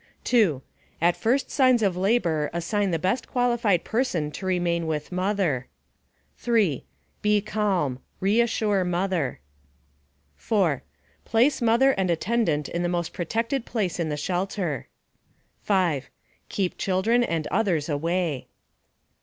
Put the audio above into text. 2. At first signs of labor assign the best qualified person to remain with mother. 3. Be calm; reassure mother. 4. Place mother and attendant in the most protected place in the shelter. 5. Keep children and others away.